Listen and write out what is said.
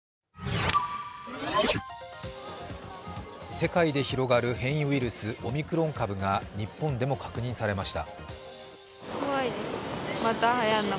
世界で広がる変異ウイルス、オミクロン株が日本でも確認されました。